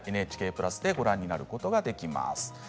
ＮＨＫプラスでご覧になることができます。